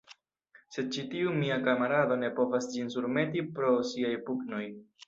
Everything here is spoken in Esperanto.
Sed ĉi tiu mia kamarado ne povas ĝin surmeti pro siaj pugnoj.